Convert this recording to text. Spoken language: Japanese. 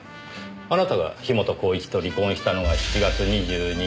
あなたが樋本晃一と離婚したのが７月２２日。